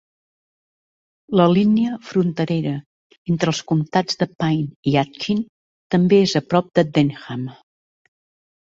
La línia fronterera entre els comtats de Pine i Aitkin també és a prop de Denham.